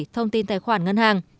thông tin tài khoản ngân hàng